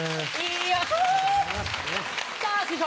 さぁ師匠！